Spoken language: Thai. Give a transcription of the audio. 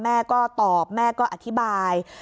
แม่ก็ตอบแม่ก็อธิบาย